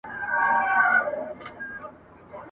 زه خواړه سم مزه داره ته مي خوند نه سې څکلای !.